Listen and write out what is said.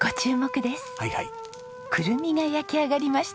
クルミが焼き上がりました。